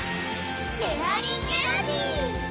シェアリンエナジー！